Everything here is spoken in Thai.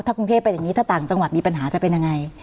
กรุงเทพเป็นอย่างนี้ถ้าต่างจังหวัดมีปัญหาจะเป็นยังไง